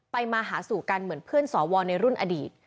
มาหาสู่กันเหมือนเพื่อนสวในรุ่นอดีต